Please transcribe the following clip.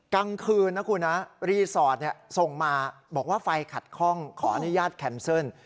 กลางคืนนะคุณนะรีสอร์ทส่งมาบอกว่าไฟขัดข้องขออนุญาตแคมเซิล